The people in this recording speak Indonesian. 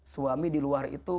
suami diluar itu